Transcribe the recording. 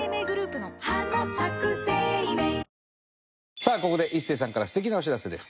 さあここで一生さんから素敵なお知らせです。